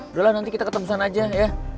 udah lah nanti kita ketemusan aja ya